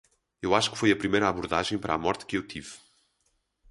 Eu acho que foi a primeira abordagem para a morte que eu tive.